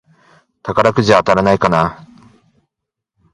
宝くじ当たらないかなぁ